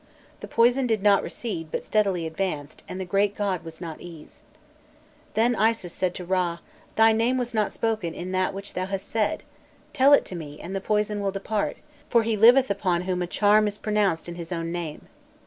The poison did not recede, but steadily advanced, and the great god was not eased. Then Isis said to Râ: "Thy name was not spoken in that which thou hast said. Tell it to me and the poison will depart; for he liveth upon whom a charm is pronounced in his own name."